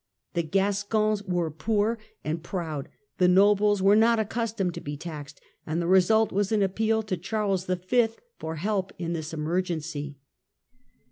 The Gascons were poor and proud, the nobles were not accustomed to be taxed, and the result was an appeal to Charles V. for help in this emergency.